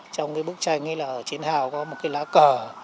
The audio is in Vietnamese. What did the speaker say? trong cái bức tranh ấy là ở chiến hào có một cái lá cờ